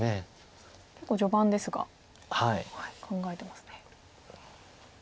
結構序盤ですが考えてますね。